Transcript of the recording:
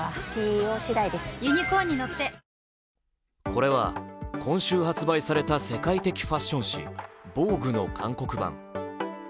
これは今週発売された世界的ファッション誌「ＶＯＧＵＥ」の韓国版。